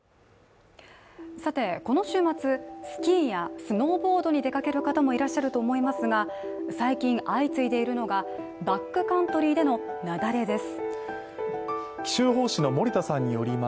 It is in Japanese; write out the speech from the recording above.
この週末、スキーやスノーボードに出かける方もいらっしゃると思いますが最近、相次いでいるのがバックカントリーでの雪崩です。